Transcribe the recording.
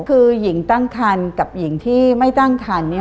คือหญิงตั้งคันกับหญิงที่ไม่ตั้งคัน